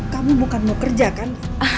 kamu bukan mau kerja kan